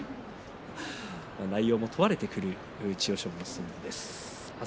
内容も問われてくる千代翔馬です。